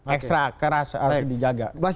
ekstra keras harus dijaga